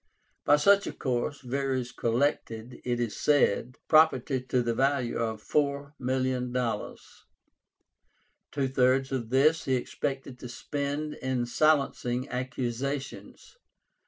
By such a course Verres collected, it is said, property to the value of $4,000,000. Two thirds of this he expected to spend in silencing accusations.